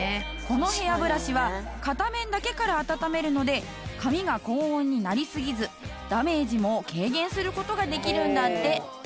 このヘアブラシは片面だけから温めるので髪が高温になりすぎずダメージも軽減する事ができるんだって。